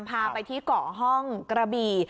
พาไปที่เกาะห้องกระบี่